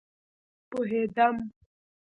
پوهیدم